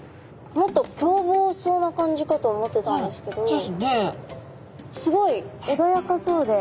もっと凶暴そうな感じかと思ってたんですけどすごいおだやかそうで。